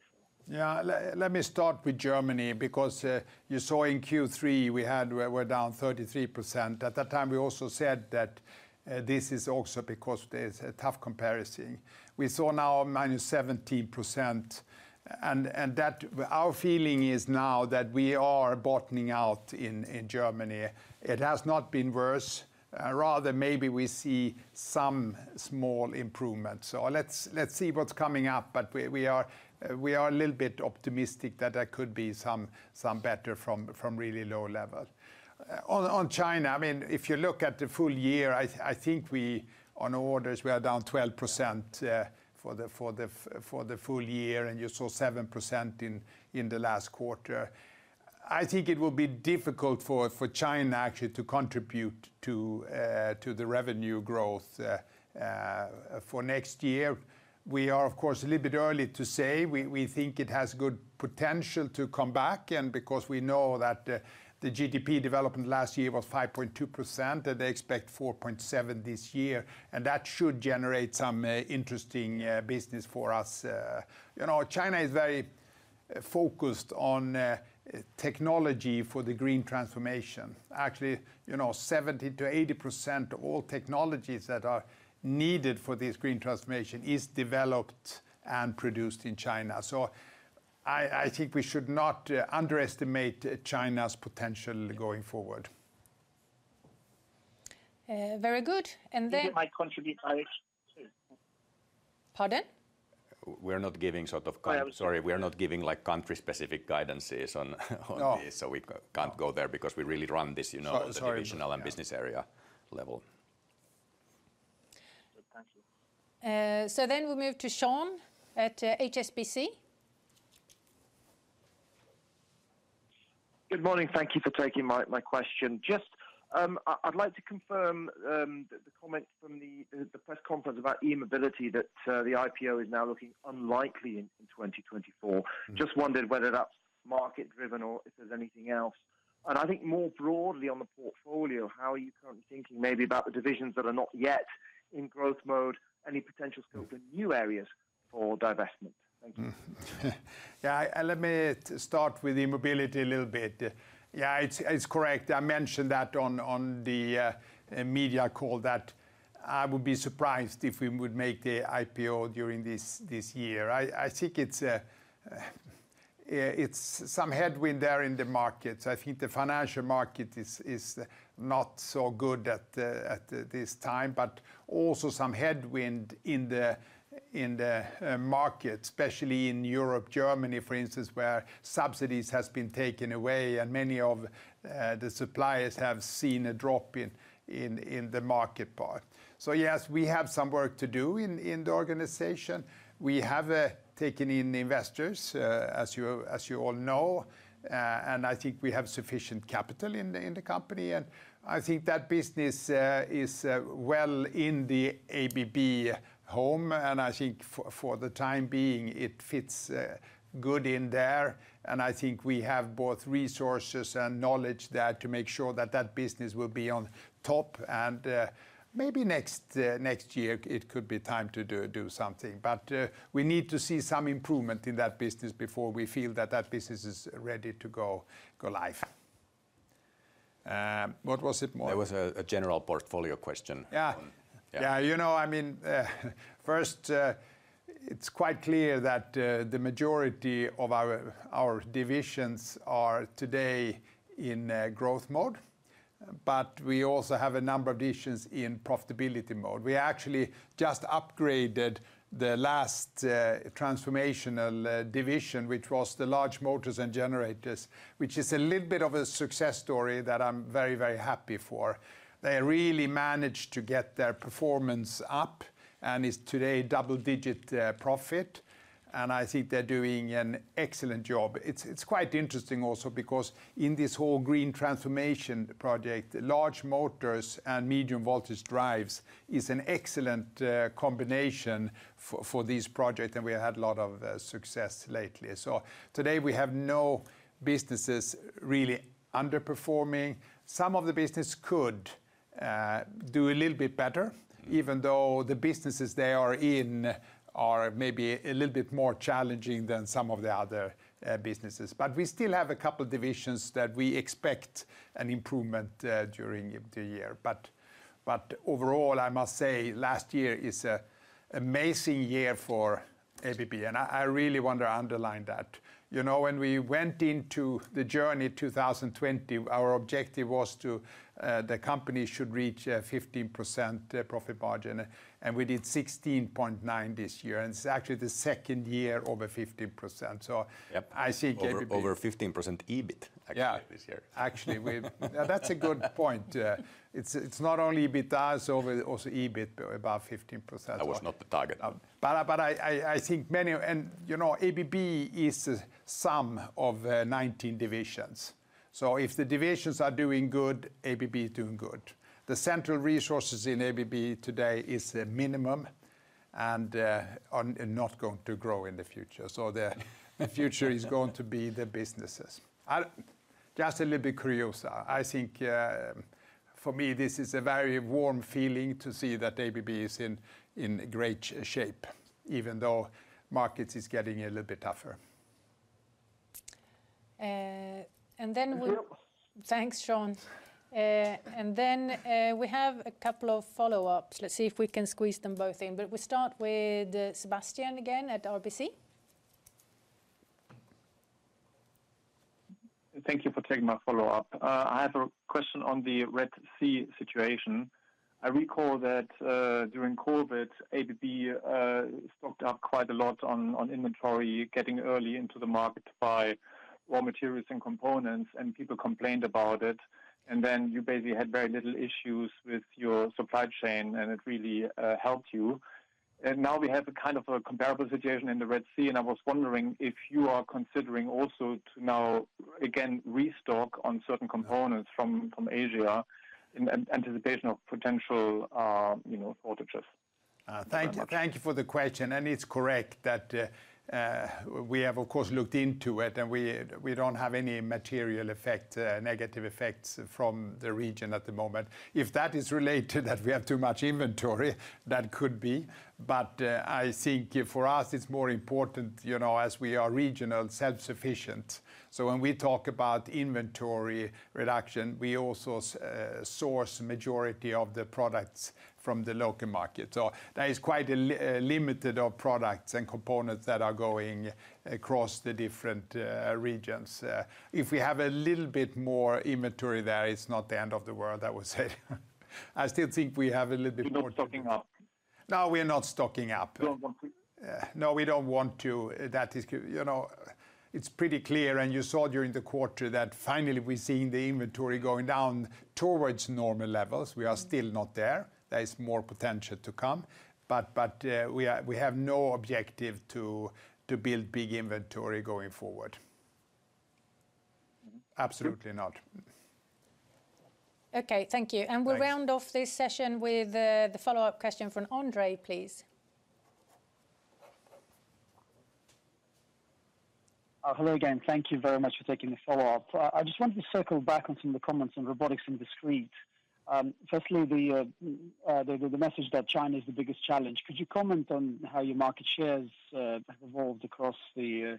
Yeah, let me start with Germany because you saw in Q3, we were down 33%. At that time, we also said that this is also because there's a tough comparison. We saw now minus 17%, and that. Our feeling is now that we are bottoming out in Germany. It has not been worse, rather maybe we see some small improvements. So let's see what's coming up, but we are a little bit optimistic that there could be some better from really low level. On China, I mean, if you look at the full year, I think we, on orders, we are down 12% for the full year, and you saw 7% in the last quarter. I think it will be difficult for China actually to contribute to the revenue growth for next year. We are, of course, a little bit early to say. We think it has good potential to come back, and because we know that the GDP development last year was 5.2%, and they expect 4.7% this year, and that should generate some interesting business for us. You know, China is very focused on technology for the green transformation. Actually, you know, 70%-80% of all technologies that are needed for this green transformation is developed and produced in China. So I think we should not underestimate China's potential going forward. Very good, and then. Do you think it might contribute high? Pardon? We're not giving sort of. Sorry, we are not giving, like, country-specific guidances on this. No. So we can't go there because we really run this, you know. Sorry, sorry. Divisional and business area level. Thank you. So then we move to Sean at HSBC. Good morning. Thank you for taking my question. Just, I'd like to confirm the comment from the press conference about E-mobility, that the IPO is now looking unlikely in 2024. Just wondered whether that's market driven or if there's anything else? And I think more broadly on the portfolio, how are you currently thinking maybe about the divisions that are not yet in growth mode, any potential skills in new areas for divestment? Thank you. Yeah, let me start with E-mobility a little bit. Yeah, it's correct. I mentioned that on the media call that I would be surprised if we would make the IPO during this year. I think it's some headwind there in the market. I think the financial market is not so good at this time, but also some headwind in the market, especially in Europe, Germany, for instance, where subsidies has been taken away and many of the suppliers have seen a drop in the market part. So yes, we have some work to do in the organization. We have taken in investors, as you all know, and I think we have sufficient capital in the company, and I think that business is well in the ABB home, and I think for the time being, it fits good in there. And I think we have both resources and knowledge there to make sure that that business will be on top, and maybe next year it could be time to do something. But we need to see some improvement in that business before we feel that that business is ready to go live. What was it more? There was a general portfolio question. Yeah. Yeah. Yeah, you know, I mean, first, it's quite clear that the majority of our divisions are today in growth mode, but we also have a number of divisions in profitability mode. We actually just upgraded the last transformational division, which was the Large Motors and Generators, which is a little bit of a success story that I'm very, very happy for. They really managed to get their performance up and is today double-digit profit, and I think they're doing an excellent job. It's quite interesting also because in this whole green transformation project, large motors and medium voltage drives is an excellent combination for this project, and we had a lot of success lately. So today we have no businesses really underperforming. Some of the business could do a little bit better. Even though the businesses they are in are maybe a little bit more challenging than some of the other businesses. But we still have a couple divisions that we expect an improvement during the year. But overall, I must say, last year is an amazing year for us, ABB, and I really want to underline that. You know, when we went into the journey 2020, our objective was to the company should reach 15% profit margin, and we did 16.9% this year, and it's actually the second year over 15%. Yep. I see ABB. Over 15% EBIT, actually. Yeah. This year. Actually, now that's a good point. It's not only EBITDA, it's also over EBIT, above 15%. That was not the target. But I think many. And, you know, ABB is a sum of 19 divisions. So if the divisions are doing good, ABB is doing good. The central resources in ABB today is the minimum, and are not going to grow in the future. So the future is going to be the businesses. Just a little bit curious, I think, for me, this is a very warm feeling to see that ABB is in great shape, even though markets is getting a little bit tougher. And then we'll. Thanks, Sean. And then, we have a couple of follow-ups. Let's see if we can squeeze them both in, but we start with Sebastian again at RBC. Thank you for taking my follow-up. I have a question on the Red Sea situation. I recall that, during COVID, ABB stocked up quite a lot on inventory, getting early into the market to buy raw materials and components, and people complained about it. And then you basically had very little issues with your supply chain, and it really helped you. And now we have a kind of a comparable situation in the Red Sea, and I was wondering if you are considering also to now again restock on certain components from Asia in anticipation of potential, you know, outages? Thank you very much. Thank you for the question, and it's correct that we have of course looked into it, and we don't have any material effect, negative effects from the region at the moment. If that is related, that we have too much inventory, that could be. But I think for us it's more important, you know, as we are regional, self-sufficient. So when we talk about inventory reduction, we also source majority of the products from the local market. So that is quite a limited of products and components that are going across the different regions. If we have a little bit more inventory there, it's not the end of the world, I would say. I still think we have a little bit more- You're not stocking up? No, we are not stocking up. You don't want to? No, we don't want to. You know, it's pretty clear, and you saw during the quarter, that finally we're seeing the inventory going down towards normal levels. We are still not there. There is more potential to come, but we have no objective to build big inventory going forward. Absolutely not. Okay, thank you. Thanks. We'll round off this session with the follow-up question from Andre, please. Hello again. Thank you very much for taking the follow-up. I just wanted to circle back on some of the comments on Robotics and Discrete. Firstly, the message that China is the biggest challenge. Could you comment on how your market shares have evolved across the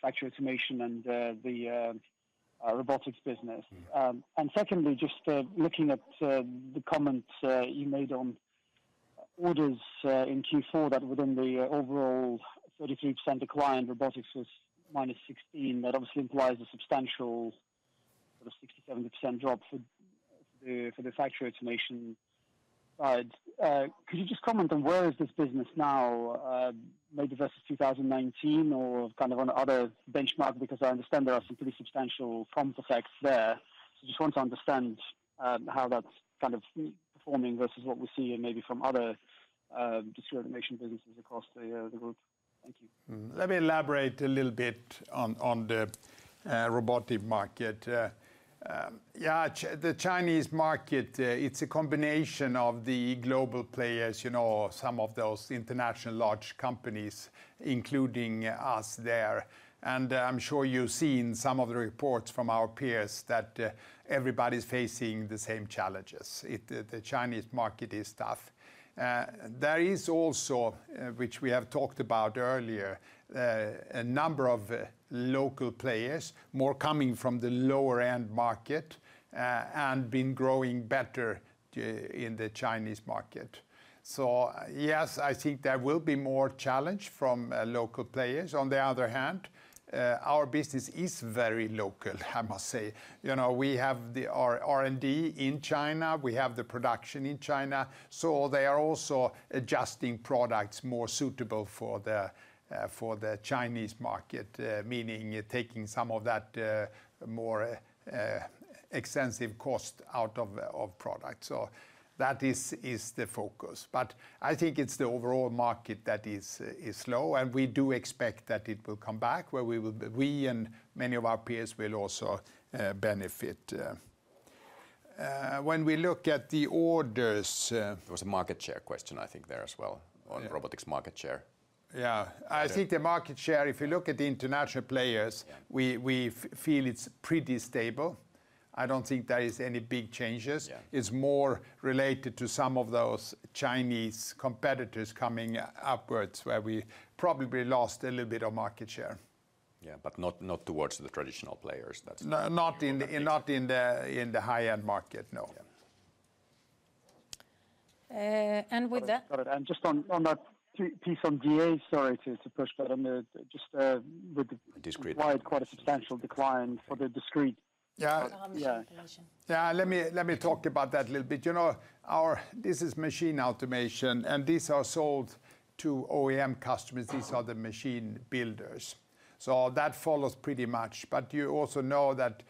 factory automation and the Robotics business? And secondly, just looking at the comments you made on orders in Q4, that within the overall 33% decline, Robotics was -16%. That obviously implies a substantial sort of 60-70% drop for the factory automation side. Could you just comment on where is this business now, maybe versus 2019 or kind of another benchmark? Because I understand there are some pretty substantial prompt effects there. So I just want to understand how that's kind of performing versus what we're seeing maybe from other Discrete Automation businesses across the group. Thank you. Let me elaborate a little bit on the robotic market. The Chinese market, it's a combination of the global players, you know, some of those international large companies, including us there. And I'm sure you've seen some of the reports from our peers that everybody's facing the same challenges. The Chinese market is tough. There is also, which we have talked about earlier, a number of local players, more coming from the lower-end market, and been growing better in the Chinese market. So yes, I think there will be more challenge from local players. On the other hand, our business is very local, I must say. You know, we have the R&D in China, we have the production in China, so they are also adjusting products more suitable for the Chinese market, meaning taking some of that more extensive cost out of products. So that is the focus. But I think it's the overall market that is slow, and we do expect that it will come back, where we and many of our peers will also benefit. When we look at the orders, There was a market share question, I think, there as well Yeah. On Robotics market share. Yeah. Okay. I think the market share, if you look at the international players. Yeah. We feel it's pretty stable. I don't think there is any big changes. Yeah. It's more related to some of those Chinese competitors coming upwards, where we probably lost a little bit of market share. Yeah, but not, not towards the traditional players,. No, not in the, not in the high-end market, no. Yeah. And with that- Got it, and just on that piece on DA, sorry to push, but on the just with the quite, quite a substantial decline for the discrete. Yeah. Automation. Yeah, let me, let me talk about that a little bit. You know, our, this is Machine Automation, and these are sold to OEM customers. These are the machine builders, so that follows pretty much. But you also know that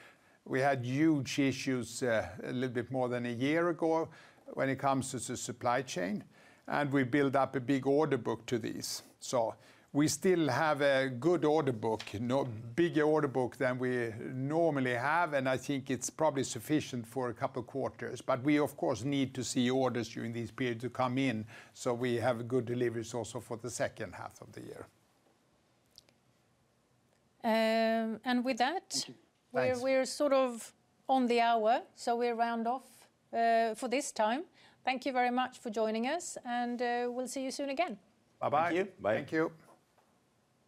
we had huge issues, a little bit more than a year ago when it comes to the supply chain, and we built up a big order book to these. So we still have a good order book, no bigger order book than we normally have, and I think it's probably sufficient for a couple quarters. But we, of course, need to see orders during this period to come in, so we have good deliveries also for the second half of the year. And with that we're sort of on the hour, so we round off for this time. Thank you very much for joining us, and we'll see you soon again. Bye-bye. Thank you. Bye. Thank you!